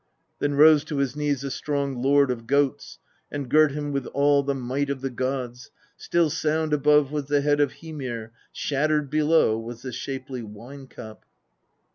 32. Then rose to his knees the strong Lord of goats, and girt him with all the might of the gods ; still sound above was the head of Hymir, shattered below was the shapely wine cup.